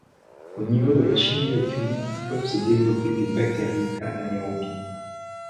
Au niveau de la chimiocline peuvent se développer des bactéries anaérobies.